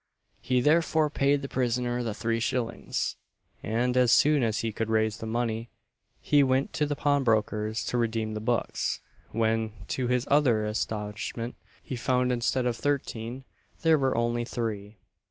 He therefore paid the prisoner the three shillings; and as soon as he could raise the money, he went to the pawnbroker's to redeem the books; when, to his utter astonishment, he found instead of thirteen there were only three!